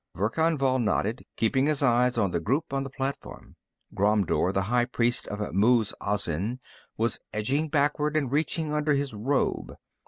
Verkan Vall nodded, keeping his eyes on the group on the platform. Ghromdur, the high priest of Muz Azin, was edging backward and reaching under his robe.